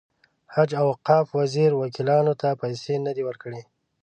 حج او اوقاف وزیر وکیلانو ته پیسې نه دي ورکړې.